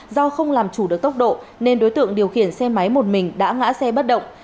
do không làm chủ được tốc độ nên đối tượng điều khiển xe máy một mình đã ngã xe bất động